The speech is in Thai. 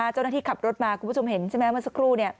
เจ้าหน้าที่ขับรถมาคุณผู้ชมเห็นใช่ไหมเมื่อสักครู่